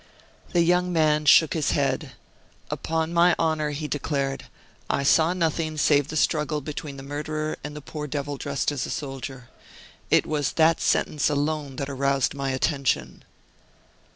The young man shook his head. "Upon my honor," he declared, "I saw nothing save the struggle between the murderer and the poor devil dressed as a soldier. It was that sentence alone that aroused my attention."